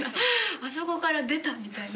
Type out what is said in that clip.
あそこから出たみたいな。